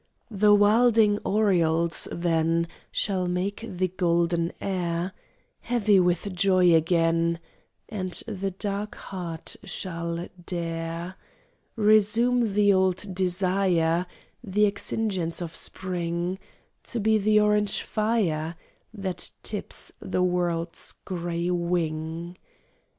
The wilding orioles then Shall make the golden air Heavy with joy again, And the dark heart shall dare Resume the old desire, The exigence of spring To be the orange fire That tips the world's gray wing.